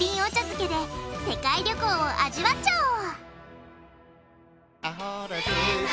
漬けで世界旅行を味わっちゃおう！